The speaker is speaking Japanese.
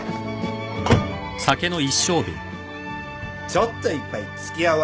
ちょっと一杯付き合わんな？